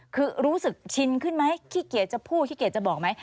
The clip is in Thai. คือรู้สึกชินขึ้นไหมขี้เกียจจะพูดขี้เกียจจะบอกไหม